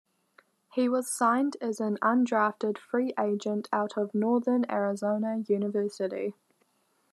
He was signed as an undrafted free agent out of Northern Arizona University.